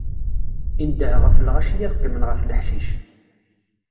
Indeh ɣef lɣaci ad qqimen ɣef leḥcic.